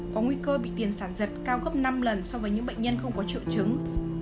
có nguy cơ bị tiền sản giật cao gấp năm lần so với những bệnh nhân không có triệu chứng